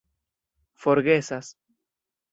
forgesas